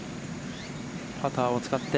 パターを使って。